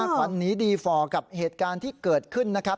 ขวัญหนีดีฟอร์กับเหตุการณ์ที่เกิดขึ้นนะครับ